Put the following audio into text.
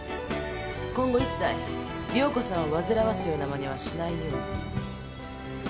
今後一切涼子さんを煩わすようなマネはしないように。